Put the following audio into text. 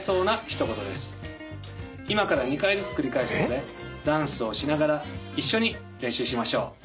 「今から２回ずつ繰り返すのでダンスをしながら一緒に練習しましょう」